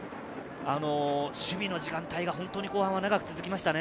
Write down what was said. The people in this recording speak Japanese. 守備の時間帯が本当に後半は長く続きましたね。